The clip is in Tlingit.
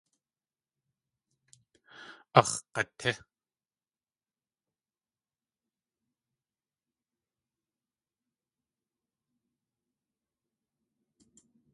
Áx̲ g̲atí!